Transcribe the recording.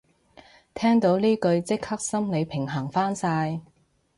聽到呢句即刻心理平衡返晒